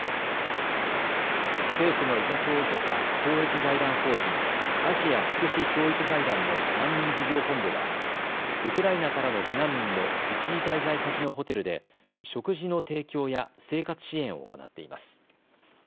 政府の委託を受けた公益財団法人アジア福祉教育財団の難民事業本部はウクライナからの避難民の一時滞在先のホテルで食事の提供や生活支援を行っています。